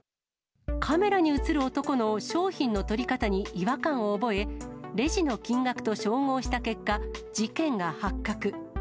カメラに写る男の商品の取り方に違和感を覚え、レジの金額と照合した結果、事件が発覚。